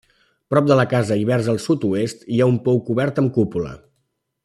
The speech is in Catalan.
Prop de la casa i vers el sud-oest hi ha un pou cobert amb cúpula.